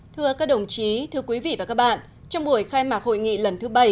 thưa các đồng chí thưa quý vị và các bạn trong buổi khai mạc hội nghị lần thứ bảy